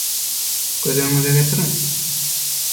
Göz öňüňize getiriň